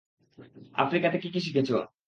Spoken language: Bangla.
আফ্রিকাতে কী কী শিখেছো?